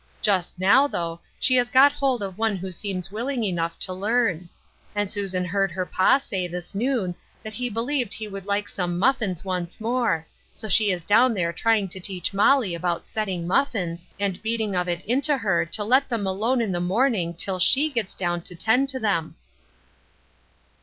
Just now, though, she has got hold of one who seems will ing enough to learn ; and Susan heard her pa bay this noon tha^ he believed he would like some muffins once more, so she is down there trying to teach Mollie about setting muffins, and beating of it into her to let them alone io Rests. 239 the morning till she gets down to 'tend to them."